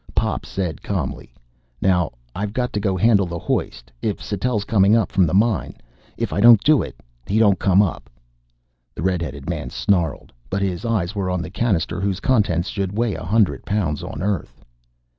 Pop said calmly: "Now I've got to go handle the hoist, if Sattell's coming up from the mine. If I don't do it, he don't come up." The red headed man snarled. But his eyes were on the cannister whose contents should weigh a hundred pounds on Earth.